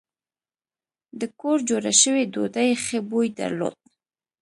د کور جوړه شوې ډوډۍ ښه بوی درلود.